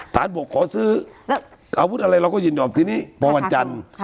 ฐานบกขอซื้ออาวุธอะไรเราก็ยืนยอมทีนี้ประวัติศาสตร์